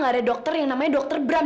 sultan sihan sudah kesan